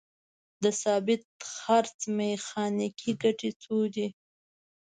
د ثابت څرخ میخانیکي ګټې څو دي؟